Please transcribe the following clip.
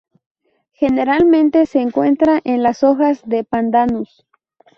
Generalmente se encuentra en las hojas de "Pandanus".